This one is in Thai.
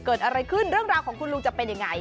เกิดอะไรขึ้นเรื่องราวของคุณลุงจะเป็นยังไง